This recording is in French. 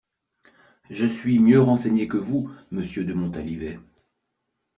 Je suis mieux renseignée que vous, Monsieur de Montalivet!